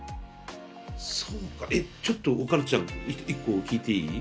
そうかえちょっとおかるちゃん１個聞いていい？